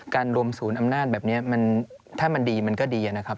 รวมศูนย์อำนาจแบบนี้ถ้ามันดีมันก็ดีนะครับ